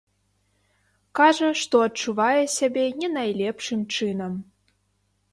Кажа, што адчувае сябе не найлепшым чынам.